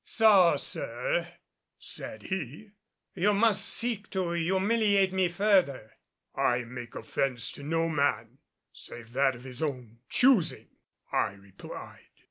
"So, sir," said he, "you must seek to humiliate me further." "I make offense to no man, save that of his own choosing," I replied.